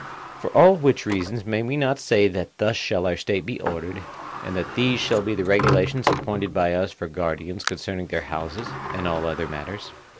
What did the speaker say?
For all which reasons may we not say that thus shall our State be ordered, and that these shall be the regulations appointed by us for guardians concerning their houses and all other matters?